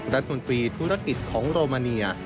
รัฐมนตรีธุรกิจของโรมาเนีย